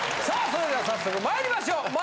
さあそれでは早速まいりましょう！